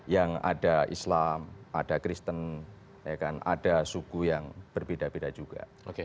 yang ada islam ada kristen ada suku yang berbeda beda juga